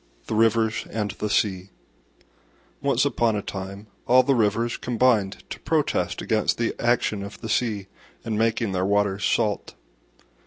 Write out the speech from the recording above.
THE RIVERS AND THE SEA Once upon a time all the Rivers combined to protest against the action of the Sea in making their waters salt.